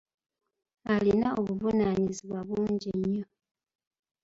Alina obuvunaanyizibwa bungi nnyo.